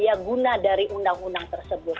terus kemudian daya guna dari undang undang tersebut